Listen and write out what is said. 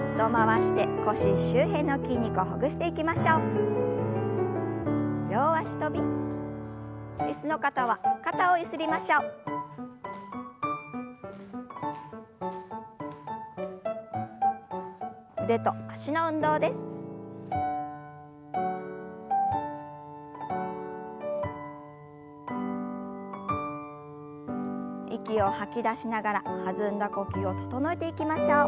息を吐き出しながら弾んだ呼吸を整えていきましょう。